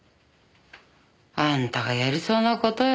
あんたがやりそうな事よ。